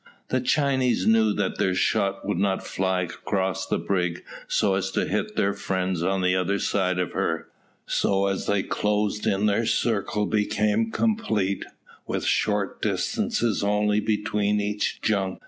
The Chinese knew that their shot would not fly across the brig so as to hit their friends on the other side of her, so as they closed in their circle became complete, with short distances only between each junk.